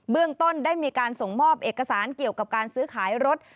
เรื่องต้นได้มีการส่งมอบเอกสารเกี่ยวกับการซื้อขายรถ